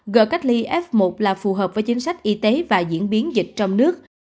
g cách ly f một là phù hợp với chính sách y tế và diễn biến dịch trong nước